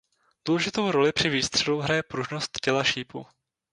Důležitou roli při výstřelu hraje pružnost těla šípu.